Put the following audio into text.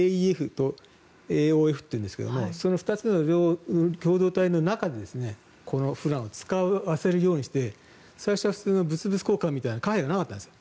ＡＥＦとＡＯＦというんですがその２つの共同体の中でこのフランを使わせるようにして最初は普通の物々交換みたいに貨幣がなかったんです。